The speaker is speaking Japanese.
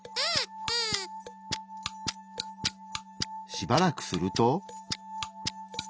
しばらくすると。